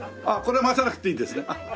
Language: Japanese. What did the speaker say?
あっこれは回さなくていいんですね。